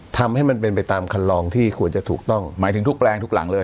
ทำให้มันเป็นไปตามคันลองที่ควรจะถูกต้องหมายถึงทุกแปลงทุกหลังเลย